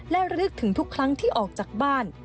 และลึกถึงทุกครั้งที่ออกจากบ้าน